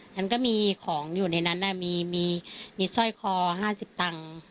ฉันก็มีของอยู่ในนั้นมีสร้อยคอ๕๐ตังค์